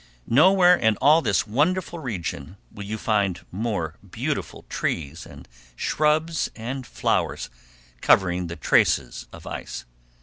Nowhere in all this wonderful region will you find more beautiful trees and shrubs and flowers covering the traces of ice.